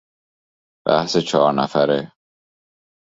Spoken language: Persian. بحث چهار نفره